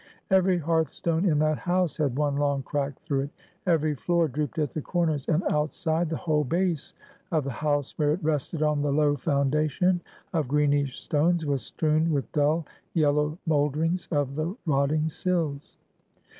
Every hearth stone in that house had one long crack through it; every floor drooped at the corners; and outside, the whole base of the house, where it rested on the low foundation of greenish stones, was strewn with dull, yellow molderings of the rotting sills.